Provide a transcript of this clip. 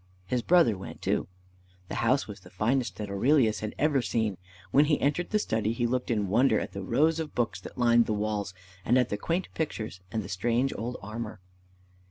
His brother went too. The house was the finest that Aurelius had ever seen. When he entered the study he looked in wonder at the rows of books that lined the walls, and at the quaint pictures and the strange old armor.